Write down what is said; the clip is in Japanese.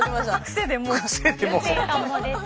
癖でもう。